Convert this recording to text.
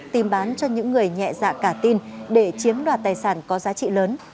tìm bán cho những người nhẹ dạ cả tin để chiếm đoạt tài sản có giá trị lớn